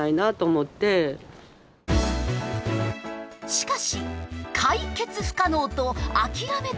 しかし解決不可能と諦めてはいけません。